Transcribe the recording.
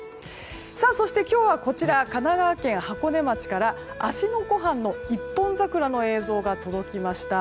そして、今日は神奈川県箱根町から芦ノ湖畔の一本桜の映像が届きました。